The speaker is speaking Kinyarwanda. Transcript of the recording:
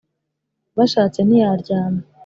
Bashashe ntiyalyama.